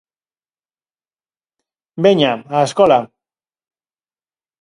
Veña, á escola.